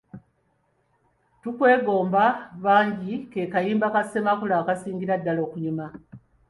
Tukwegomba bangi ke kayimba ka Ssemakula akansingira okunyuma.